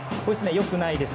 よくないです。